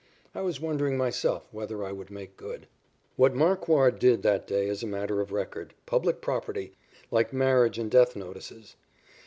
I was wondering, myself, whether I would make good." What Marquard did that day is a matter of record, public property, like marriage and death notices.